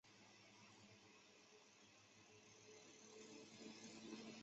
以女孩子憧憬的演艺界和服装设计两种行业为题材的作品很受欢迎。